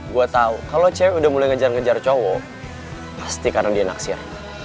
gue tau kalau cewek udah mulai ngejar ngejar cowok pasti karena dia naksir